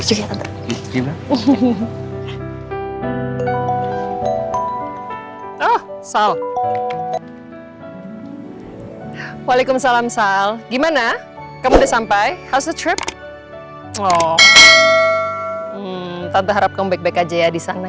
oh salam salam salam gimana kamu sampai hasil trip oh tante harapkan baik baik aja ya di sana